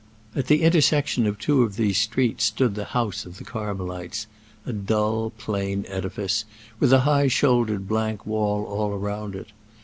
At the intersection of two of these streets stood the house of the Carmelites—a dull, plain edifice, with a high shouldered blank wall all round it.